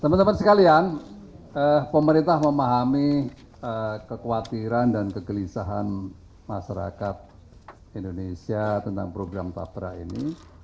teman teman sekalian pemerintah memahami kekhawatiran dan kegelisahan masyarakat indonesia tentang program tabra ini